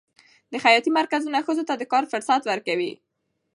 د خیاطۍ مرکزونه ښځو ته د کار فرصت ورکوي.